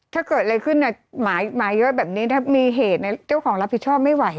ถ้าเกิดอะไรขึ้นหมายเยอะแบบนี้ถ้ามีเหตุเจ้าของรับผิดชอบไม่ไหว